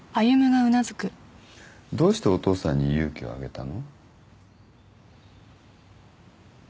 どうしてお父さんに勇気をあげたの？